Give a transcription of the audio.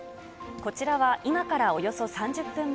こちらは、今からおよそ３０分前。